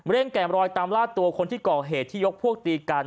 แก่มรอยตามล่าตัวคนที่ก่อเหตุที่ยกพวกตีกัน